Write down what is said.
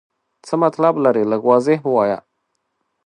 څه مطلب لرې ؟ لږ واضح ووایه.